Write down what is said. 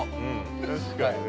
◆確かにね。